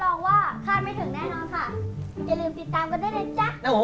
อย่าลืมติดตามกันด้วยนะจ๊ะ